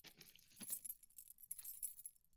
下列为埃及派驻英国的外交代表。